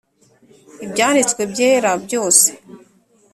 Ibyanditswe byera byose